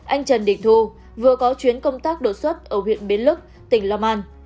anh trần định thu vừa có chuyến công tác đột xuất ở huyện biến lức tỉnh long an